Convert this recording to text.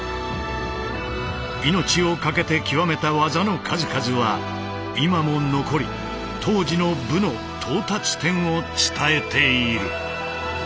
命を懸けて極めた技の数々は今も残り当時の武の到達点を伝えている。